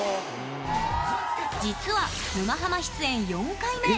実は、「沼ハマ」出演４回目。